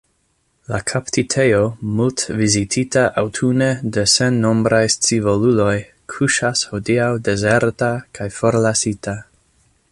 La kaptitejo, multvizitita aŭtune de sennombraj scivoluloj, kuŝas hodiaŭ dezerta kaj forlasita.